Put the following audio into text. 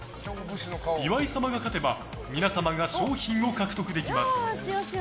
岩井様が勝てば皆様が賞品を獲得できます。